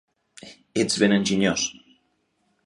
Ets ben enginyós!